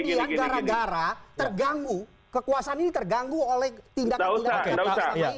anda kemudian gara gara terganggu kekuasaan ini terganggu oleh tindakan tindakan kpk setelah ini